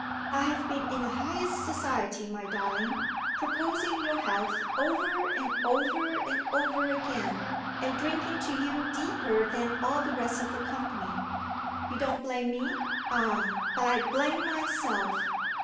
I have been in the highest society, my darling; proposing your health over and over and over again, and drinking to you deeper than all the rest of the company. You don't blame me? Ah, but I blame myself.